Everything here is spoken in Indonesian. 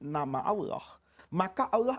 nama allah maka allah